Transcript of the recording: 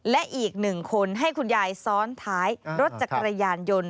และอีกหนึ่งคนให้คุณยายซ้อนท้ายรถจักรยานยนต์